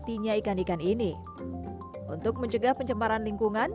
ikan ini untuk mencegah pencemaran lingkungan